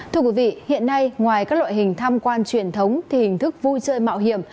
thưa quý vị hiện nay ngoài các loại hình tham quan truyền thống thì hình thức vui chơi mạo hiểm